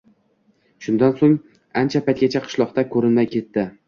Shundan so`ng ancha paytgacha qishloqda ko`rinmay ketdi